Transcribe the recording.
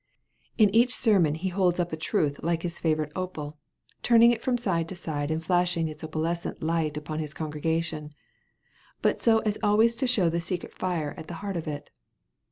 In each sermon he holds up a truth like his favorite opal, turning it from side to side and flashing its opalescent light upon his congregation, but so as always to show the secret fire at the heart of it.